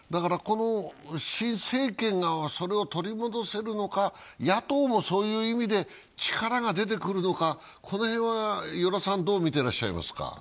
新政権がそれを取り戻せるのか、野党もそういう意味で力が出てくるのか、この辺は与良さんどう見てらっしゃいますか？